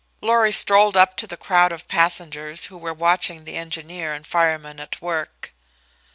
Lorry strolled up to the crowd of passengers who were watching the engineer and fireman at work.